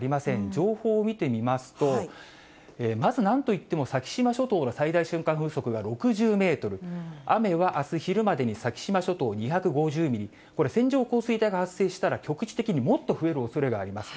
情報を見てみますと、まずなんといっても先島諸島が最大瞬間風速が６０メートル、雨はあす昼までに先島諸島２５０ミリ、これ、線状降水帯が発生したら、局地的に、もっと増えるおそれがあります。